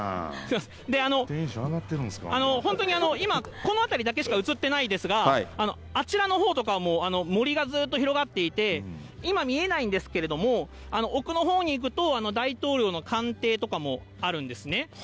本当に今、この辺りだけしか映ってないですが、あちらのほうとか、森がずっと広がっていて、今、見えないんですけれども、奥のほうに行くと、大統領の官邸とかもあるんですね。